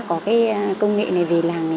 có cái công nghệ này về làng này